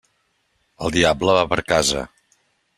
El diable va per casa.